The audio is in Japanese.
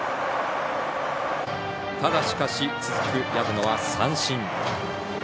ただしかし、続く薮野は三振。